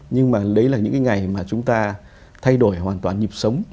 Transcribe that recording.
nhưng mà đấy là những cái ngày mà chúng ta thay đổi hoàn toàn nhịp sống